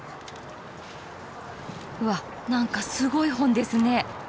うわっ何かすごい本ですね。